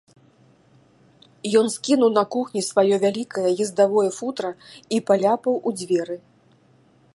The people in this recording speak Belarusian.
Ён скінуў на кухні сваё вялікае ездавое футра і паляпаў у дзверы.